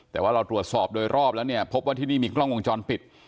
แต่ว่าเราตรวจสอบโดยรอบแล้วเนี่ยพบว่าที่นี่มีกล้องวงจรปิด